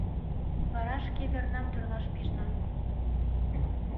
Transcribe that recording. Вара шке вернам тӧрлаш пижна.